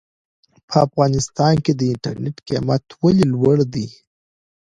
په افغانستان کې د انټرنېټ قيمت ولې لوړ دی ؟